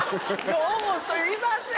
どうもすいません。